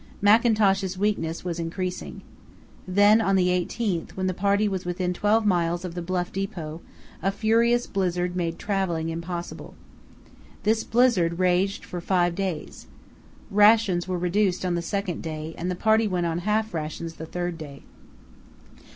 Mackintosh's weakness was increasing. Then on the 18th, when the party was within twelve miles of the Bluff depot, a furious blizzard made travelling impossible. This blizzard raged for five days. Rations were reduced on the second day, and the party went on half rations the third day.